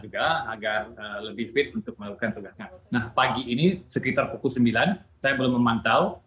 juga agar lebih fit untuk melakukan tugasnya nah pagi ini sekitar pukul sembilan saya belum memantau